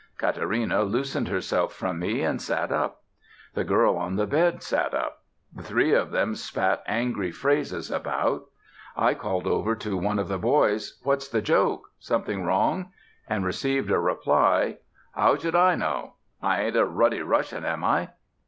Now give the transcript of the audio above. Katarina loosened herself from me, and sat up. The girl on the bed sat up. The three of them spat angry phrases about, I called over to one of the boys: "What's the joke? Anything wrong?" and received a reply: "Owshdiknow? I ain't a ruddy Russian, am I?"